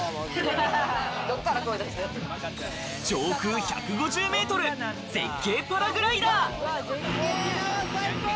上空１５０メートル、絶景パラグライダー！